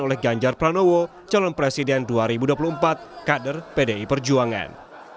oleh ganjar pranowo calon presiden dua ribu dua puluh empat kader pdi perjuangan